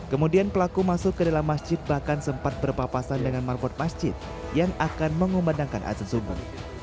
kemudian pelaku masuk ke dalam masjid bahkan sempat berpapasan dengan marbot masjid yang akan mengumandangkan azan subuh